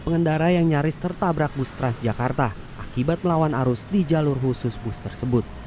pengendara yang nyaris tertabrak bus transjakarta akibat melawan arus di jalur khusus bus tersebut